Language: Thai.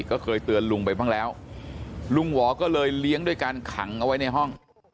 ก็เคยเตือนลุงไปบ้างแล้วลุงหวอก็เลยเลี้ยงด้วยการขังเอาไว้ในห้อง